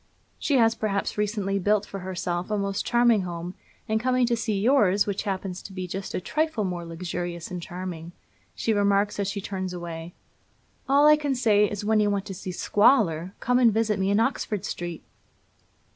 She has, perhaps, recently built for herself a most charming home, and coming to see yours, which happens to be just a trifle more luxurious and charming, she remarks as she turns away: 'All I can say is, when you want to see squalor, come and visit me in Oxford Street!'